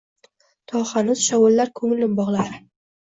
To hanuz shovullar ko‘nglim bog‘lari